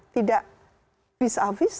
tidak bisa berubah